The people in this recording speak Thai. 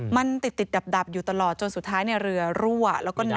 มันติดติดดับอยู่ตลอดจนสุดท้ายเนี่ยเรือรั่วแล้วก็น้ำ